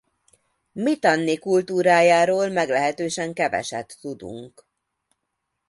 Mitanni kultúrájáról meglehetősen keveset tudunk.